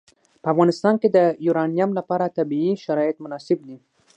په افغانستان کې د یورانیم لپاره طبیعي شرایط مناسب دي.